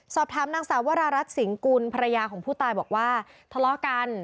สอบถามนางสาววรารัฐสิงกุลภรรยาของผู้ตายบอกว่าทะเลาะกัน